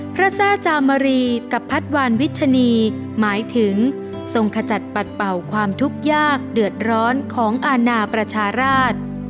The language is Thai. แทร่จามรีกับพัดวานวิชนีหมายถึงทรงขจัดปัดเป่าความทุกข์ยากเดือดร้อนของอาณาประชาราช